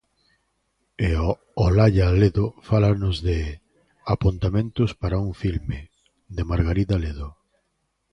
E Olalla Ledo fálanos de 'Apontamentos para un filme', de Margarida Ledo.